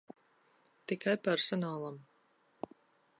Tikai personālam.